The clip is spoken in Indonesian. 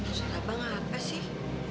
masalah bang apa sih